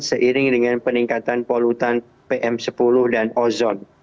seiring dengan peningkatan polutan pm sepuluh dan ozon